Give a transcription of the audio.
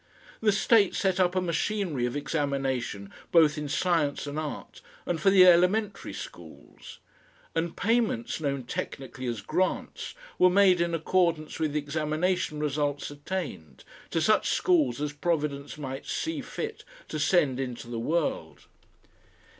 The State set up a machinery of examination both in Science and Art and for the elementary schools; and payments, known technically as grants, were made in accordance with the examination results attained, to such schools as Providence might see fit to send into the world.